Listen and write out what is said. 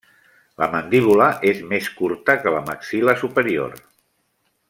La mandíbula és més curta que la maxil·la superior.